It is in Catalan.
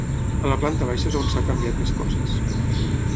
A la planta baixa és on s'ha canviat més coses.